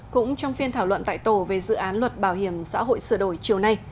cũng trong phiên thảo luận tại tổ về dự án luật bảo hiểm xã hội sửa đổi chiều nay